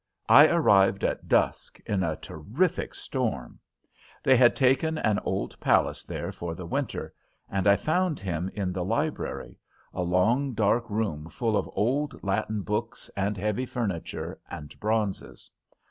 I arrived at dusk, in a terrific storm. They had taken an old palace there for the winter, and I found him in the library a long, dark room full of old Latin books and heavy furniture and bronzes.